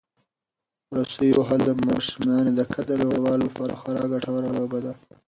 رسۍ وهل د ماشومانو د قد د لوړولو لپاره خورا ګټوره لوبه ده.